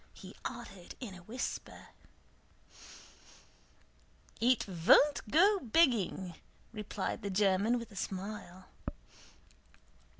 he added in a whisper. "It von't go begging," replied the German with a smile.